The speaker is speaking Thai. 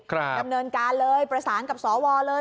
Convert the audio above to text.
ดำเนินการเลยประสานกับสวเลย